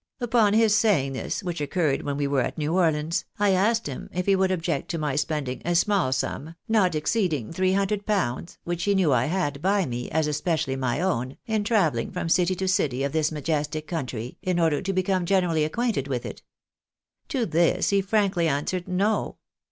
Upon his saying this, which occurred when we were at New Orleans, I asked him if he would object to my spend ing a small sum, not exceeding three hundred pounds, which he' knew 1 had by me, as especially my own, in travelling from city to city of this majestic country, in order to become generally acquainted with it. To this he frankly answered, No.